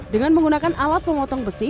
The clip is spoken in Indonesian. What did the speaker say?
dengan menggunakan alat pemotong besi